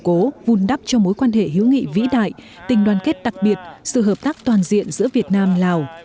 cố vun đắp cho mối quan hệ hữu nghị vĩ đại tình đoàn kết đặc biệt sự hợp tác toàn diện giữa việt nam lào